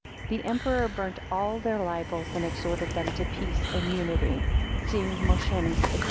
"The Emperor burnt all their libels, and exhorted them to peace and unity." (See Mosheim's Eccle.